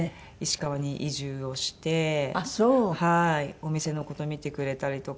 お店の事見てくれたりとか。